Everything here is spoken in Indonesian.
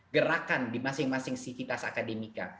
gerakan di masing masing sivitas akademika